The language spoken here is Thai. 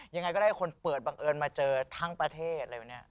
ยังไงก็ได้คนเปิดบังเอิญมาเจอทั้งประเทศอะไรวันนี้